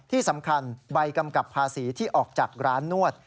ที่สำคัญใบกำกับภาษีที่ออกจากร้านนวด